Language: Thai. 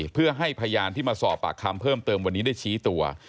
เพื่อให้พยานที่มาสอบปากคำเพิ่มเติมวันนี้ได้ชี้ตัว